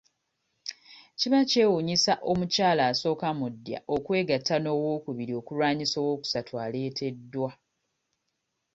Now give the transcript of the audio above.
Kiba kyewuunyisa omukyala asooka mu ddya okwegatta n'owookubiri okulwanyisa owookusatu aleeteddwa.